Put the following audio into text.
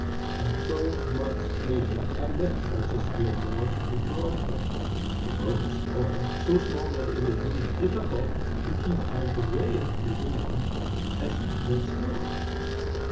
"A twelvemonth later I met Francis Gilmore in Broadway. The world is small so small that it is really difficult to keep out of the way of people one has once known.